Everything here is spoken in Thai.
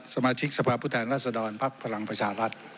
สมาชิกสภาษณ์พุทธแหละรัศดรภทรังประชาภัฐ